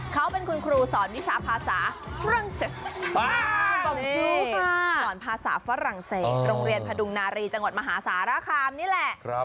เขาเป็นคุณครูสอนวิชาภาษาฝรั่งเศสสอนภาษาฝรั่งเศสโรงเรียนพดุงนารีจังหวัดมหาสารคามนี่แหละ